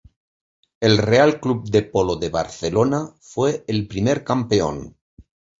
El Real Club de Polo de Barcelona fue el primer campeón.